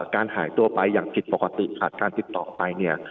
การหายตัวไปอย่างผิดปกติผลัดการติดต่อไป